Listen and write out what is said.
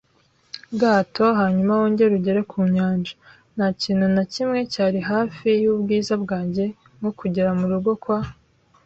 bwato hanyuma wongere ugere ku nyanja. Ntakintu nakimwe cyari hafi yubwiza bwanjye nko kugera murugo kwa